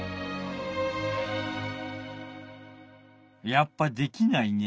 やっぱできないね。